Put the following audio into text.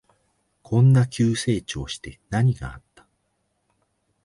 こんな急成長して何があった？